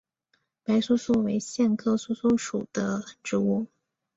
白梭梭为苋科梭梭属的植物。